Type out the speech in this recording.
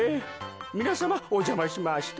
みなさまおじゃましました。